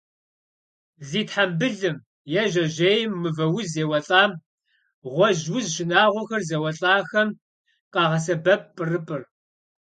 Зи тхьэмбылым е жьэжьейм мывэуз еуэлӏам, гъуэжь уз шынагъуэр зэуэлӏахэм къагъэсэбэп пӏырыпӏыр.